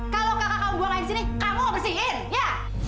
kalau kakak kamu buang lain sini kamu mau bersihin ya